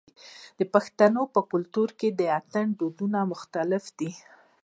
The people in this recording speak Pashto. د پښتنو په کلتور کې د اتن ډولونه مختلف دي.